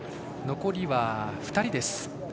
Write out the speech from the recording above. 残りは２人です。